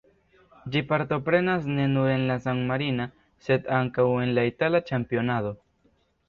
Ĝi partoprenas ne nur en la san-marina, sed ankaŭ en la itala ĉampionado.